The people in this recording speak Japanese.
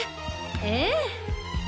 ええ。